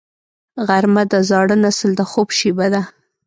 غرمه د زاړه نسل د خوب شیبه ده